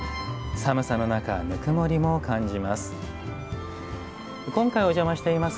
寒さの中、ぬくもりも感じます。